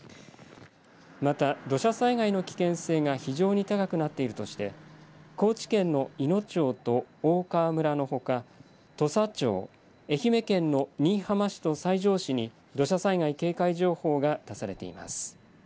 また、土砂災害の危険性が非常に高くなっているとして高知県のいの町と大川村のほか土佐町、愛媛県の新居浜市と西条市に土砂災害警戒情報が出されています。